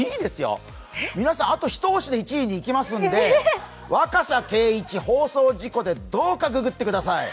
皆さん、あと一押しで１位にいきますので、「若狭敬一放送事故」でどうかググってください。